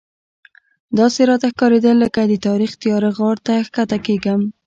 داسې راته ښکارېدل لکه د تاریخ تیاره غار ته ښکته کېږم.